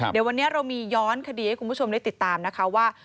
เดี๋ยววันนี้เรามีย้อนคดีให้คุณผู้ชมได้ติดตามนะคะว่า